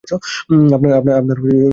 আপনার স–ব পড়া হয়ে গেছে?